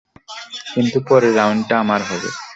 কিন্তু পরের রাউন্ডটা আমার হবে।